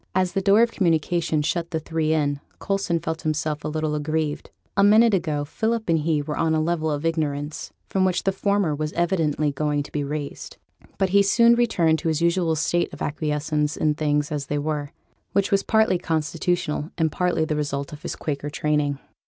As the door of communication shut the three in, Coulson felt himself a little aggrieved. A minute ago Philip and he were on a level of ignorance, from which the former was evidently going to be raised. But he soon returned to his usual state of acquiescence in things as they were, which was partly constitutional, and partly the result of his Quaker training.